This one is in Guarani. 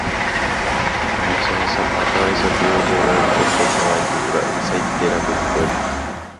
Ahechahechapátavaicha tio Roberto-pe kavaju ra'y saite rapykuéri.